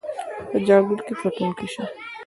په جګړه کې ګټونکي شي.